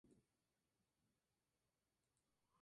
Hijo del rey Cristián I y de Dorotea de Brandeburgo.